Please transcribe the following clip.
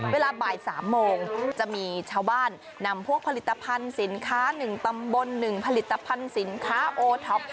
เวลาบ่าย๓โมงจะมีชาวบ้านนำพวกผลิตภัณฑ์สินค้า๑ตำบล๑ผลิตภัณฑ์สินค้าโอท็อป